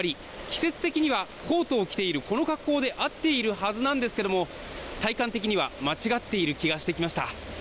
季節的にはコートを着ているこの格好で合っているはずなんですが体感的には間違っている気がしました。